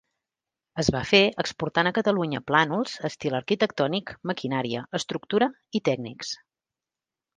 Es va fer exportant a Catalunya plànols, estil arquitectònic, maquinària, estructura i tècnics.